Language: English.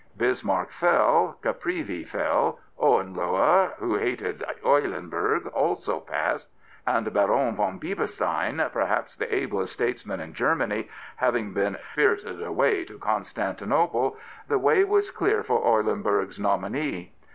Bismarck fell, Caprivi fell, Hohenlohe, who hated Eulenburg also, passed, and Baron von Bieber stein, perhaps the ablest statesman in Germany, having been spirited away to Constantinople, the way was clear for Eulenburg's nominee.